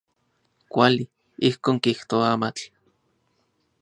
Kuali, ijkon kijtoa amatl.